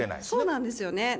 そうなんですよね。